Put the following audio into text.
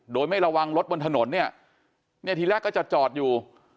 โดยไม่ระวังรถบนถนนเนี่ยเนี่ยทีแรกก็จะจอดอยู่